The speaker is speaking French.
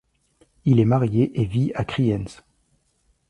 Il est marié et vit à Kriens.